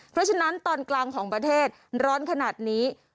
เพราะฉะนั้นตอนกลางของประเทศร้อนขนาดนี้